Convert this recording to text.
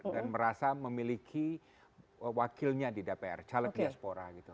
dan merasa memiliki wakilnya di dpr caleg diaspora gitu